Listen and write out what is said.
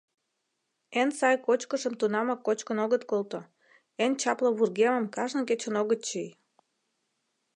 Эн сай кочкышым тунамак кочкын огыт колто, эн чапле вургемым кажне кечын огыт чий.